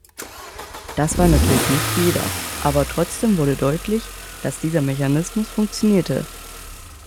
Das war natürlich nicht jeder, aber trotzdem wurde deutlich, dass dieser Mechanismus funktionierte.